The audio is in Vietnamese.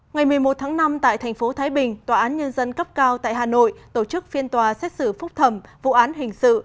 ngày một mươi một tháng năm tại thành phố thái bình tòa án nhân dân cấp cao tại hà nội tổ chức phiên tòa xét xử phúc thẩm vụ án hình sự